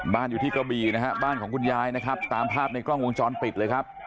อยู่ที่กระบี่นะฮะบ้านของคุณยายนะครับตามภาพในกล้องวงจรปิดเลยครับ